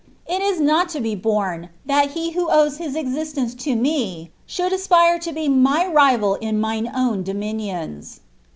It is not to be borne, that he who owes his existence to me should aspire to be my riral in mine own dominions."